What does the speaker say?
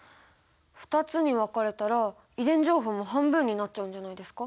２つに分かれたら遺伝情報も半分になっちゃうんじゃないですか？